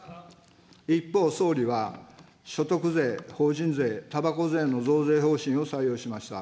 一方、総理は所得税、法人税、たばこ税の増税方針を採用しました。